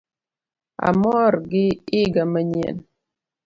Amor gi iga manyien